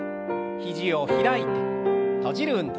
肘を開いて閉じる運動。